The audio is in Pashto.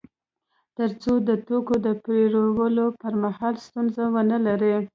تر څو د توکو د پېرلو پر مهال ستونزه ونلري